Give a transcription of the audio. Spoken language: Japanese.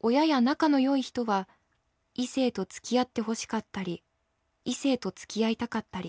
親や仲の良い人は異性と付き合ってほしかったり異性と付き合いたかったり。